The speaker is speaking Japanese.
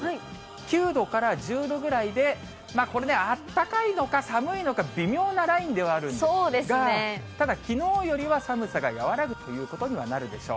９度から１０度ぐらいで、これね、暖かいのか寒いのか、微妙なラインではあるんですが、ただ、きのうよりは寒さが和らぐということにはなるでしょう。